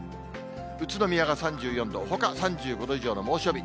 宇都宮が３４度、ほか３５度以上の猛暑日。